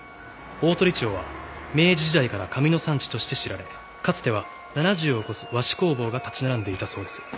大鳥町は明治時代から紙の産地として知られかつては７０を超す和紙工房が立ち並んでいたそうです。